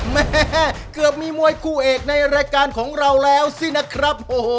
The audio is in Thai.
แม่เกือบมีมวยคู่เอกในรายการของเราแล้วสินะครับ